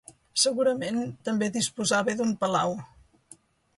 Segurament també disposava d'un palau.